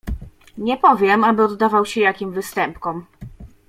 "Nie powiem, aby oddawał się jakim występkom."